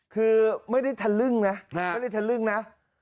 คือไม่ได้ทะลึ่งนะ